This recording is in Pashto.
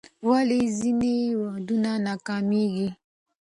ولې ځینې ودونه ناکامیږي؟